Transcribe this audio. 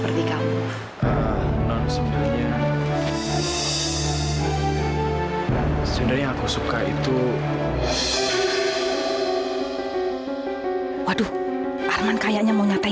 aduh ini sakit